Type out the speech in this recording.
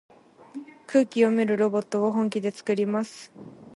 空気読めるロボットを本気でつくります。